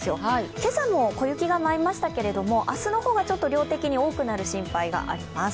今朝も小雪が舞いましたけれども、明日の方が量的に多くなる心配があります。